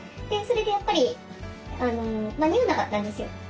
それでやっぱり間に合わなかったんですよ